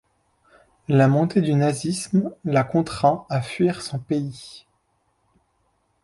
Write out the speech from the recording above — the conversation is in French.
La montée du nazisme la contraint à fuir son pays.